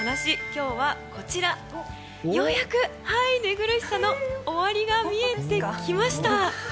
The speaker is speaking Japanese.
今日はこちら、ようやく寝苦しさの終わりが見えてきました。